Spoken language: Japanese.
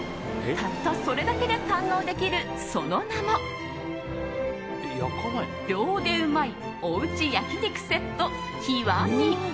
たったそれだけで堪能できるその名も秒で旨い、おうち焼肉セット。